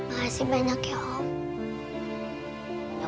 makasih banyak ya om